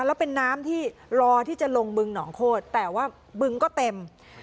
แล้วเป็นน้ำที่รอที่จะลงบึงหนองโคตรแต่ว่าบึงก็เต็ม